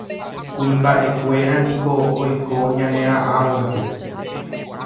Kuimbaʼekuéra niko oiko ñaneraʼãvonte.